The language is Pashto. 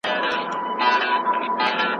همدا زموږ مقصد دی.